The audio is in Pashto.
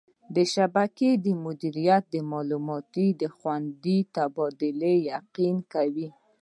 د شبکې مدیریت د معلوماتو خوندي تبادله یقیني کوي.